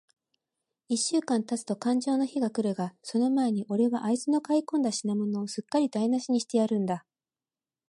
一週間たつとかんじょうの日が来るが、その前に、おれはあいつの買い込んだ品物を、すっかりだいなしにしてやるんだ。